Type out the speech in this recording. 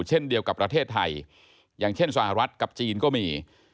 เช่นเดียวกับประเทศไทยอย่างเช่นสหรัฐกับจีนก็มี